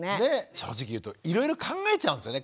正直言うといろいろ考えちゃうんですよね